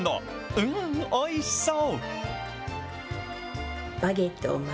うーん、おいしそう。